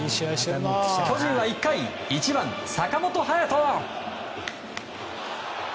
巨人は１回１番、坂本勇人。